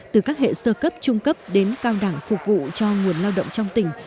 từ các hệ sơ cấp trung cấp đến cao đẳng phục vụ cho nguồn lao động trong tỉnh